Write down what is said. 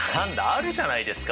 あるじゃないですか。